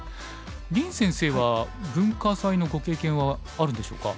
林先生は文化祭のご経験はあるんでしょうか？